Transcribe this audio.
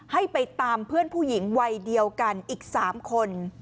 ให้ไปตามเพื่อนผู้หญิงวัยเดียวกันอีก๓คน